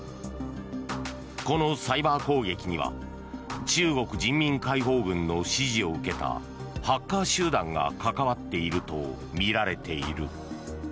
このサイバー攻撃には中国人民解放軍の指示を受けたハッカー集団が関わっているとみられている。